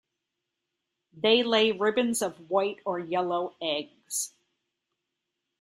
They lay ribbons of white or yellow eggs.